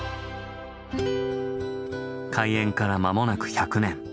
開園から間もなく１００年。